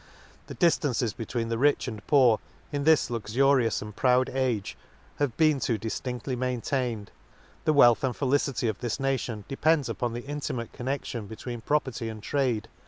The diftances between the rich and poor, in this luxurious and proud age, have been too diftin6tly main tained. — The wealth and felicity of this nation depends upon the intimate con nection between property and trade.